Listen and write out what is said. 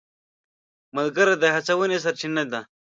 ملګري د هڅونې سرچینه دي.